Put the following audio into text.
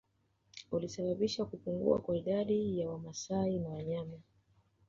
Ulisababisha kupungua kwa idadi ya Wamasai na wanyama